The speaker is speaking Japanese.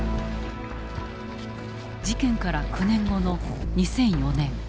事件から９年後の２００４年。